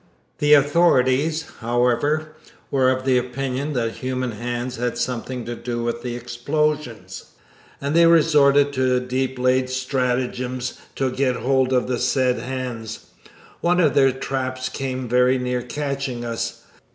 The authorities, however, were of the opinion that human hands had something to do with the explosions, and they resorted to deep laid stratagems to get hold of the said hands. One of their traps came very near catching us.